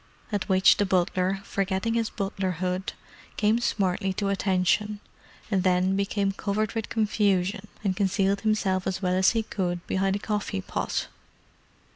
At which the butler, forgetting his butlerhood, came smartly to attention—and then became covered with confusion and concealed himself as well as he could behind a coffee pot.